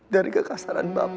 dari kekasaran bapak